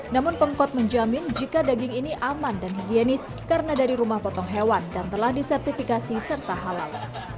namun pengkot menjamin jika daging ini aman dan higienis karena dari rumah potong hewan dan telah disertifikasi serta halal